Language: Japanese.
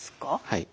はい。